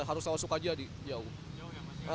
harus ke sukajadi jauh